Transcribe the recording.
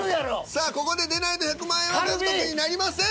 さあここで出ないと１００万円は獲得になりません。